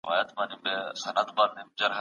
تاسو بايد د سياست پوهني په اړه حقايق وپېژنئ.